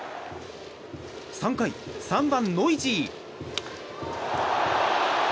３回３番、ノイジー。